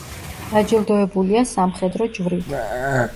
დაჯილდოებულია სამხედრო ჯვრით.